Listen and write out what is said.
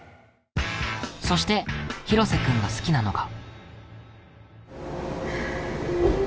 そして廣瀬くんが好きなのが。